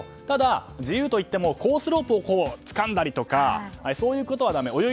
ただ自由といってもコースロープをつかんだりとかそういうことはだめ。